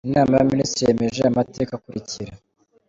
Inama y’Abaminisitiri yemeje Amateka akurikira :